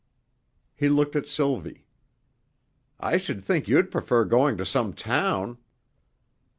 He looked at Sylvie. "I should think you'd prefer going to some town."